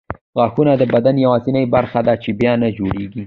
غاښونه د بدن یوازیني برخې دي چې بیا نه جوړېږي.